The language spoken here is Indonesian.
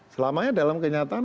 selamanya dalam kenyataan